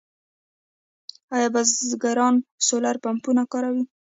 آیا بزګران سولر پمپونه کاروي؟